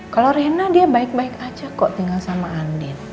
kalau rena dia baik baik aja kok tinggal sama andin